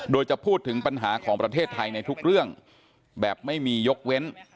โดยจะพูดถึงปัญหาของประเทศไทยในทุกเรื่องแบบไม่มียกเว้น